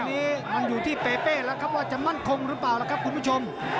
อันนี้มันอยู่ที่เปเป้แล้วครับว่าจะมั่นคงหรือเปล่าล่ะครับคุณผู้ชม